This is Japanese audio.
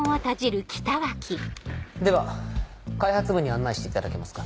では開発部に案内していただけますか。